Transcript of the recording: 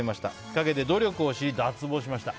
陰で努力をし、脱帽しました。